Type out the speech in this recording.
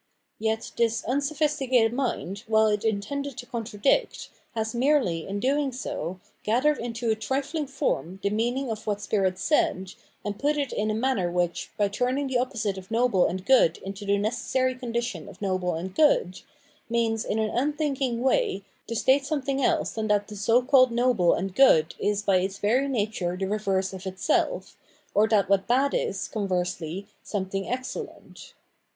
Yet this unsophisticated mind, while it intended to contradict, has merely, in doing so, gathered into a trifling form the mean ing of what spirit said, and put it in a manner which, by turning the opposite of noble and good into the necessary condition of noble and good, means, in an unthinking way, to state something else than that the so called noble and good is by its very nature the reverse of itself, or that what is bad is, conversely, something excellent.